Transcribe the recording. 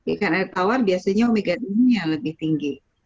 ikan air tawar biasanya omega dua nya lebih tinggi